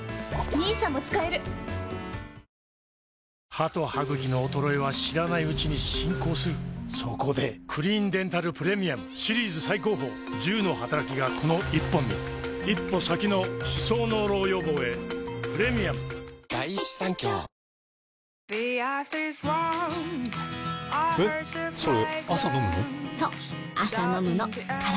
歯と歯ぐきの衰えは知らないうちに進行するそこで「クリーンデンタルプレミアム」シリーズ最高峰１０のはたらきがこの１本に一歩先の歯槽膿漏予防へプレミアム三井アウトレットパーク！で！あつまるんおいしそう！